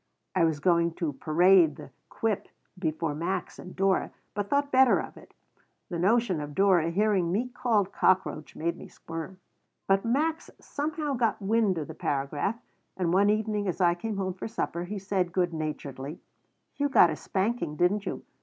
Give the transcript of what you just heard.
I was going to parade the "quip" before Max and Dora, but thought better of it. The notion of Dora hearing me called "cockroach" made me squirm But Max somehow got wind of the paragraph, and one evening as I came home for supper he said, good naturedly: "You got a spanking, didn't you?